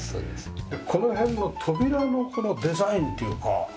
この辺の扉のこのデザインっていうか